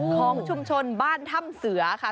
ของชุมชนบ้านถ้ำเสือค่ะ